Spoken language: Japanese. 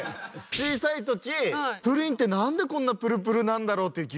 小さい時プリンって何でこんなプルプルなんだろうっていうギモンがあって。